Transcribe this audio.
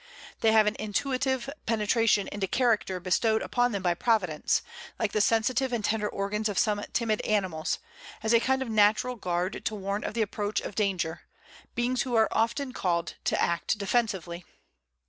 They have an intuitive penetration into character bestowed upon them by Providence, like the sensitive and tender organs of some timid animals, as a kind of natural guard to warn of the approach of danger, beings who are often called to act defensively.